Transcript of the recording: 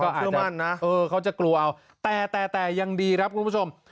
เชื่อมั่นนะเออเขาจะกลัวเอาแต่แต่ยังดีครับคุณผู้ชม